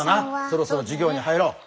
そろそろ授業に入ろう。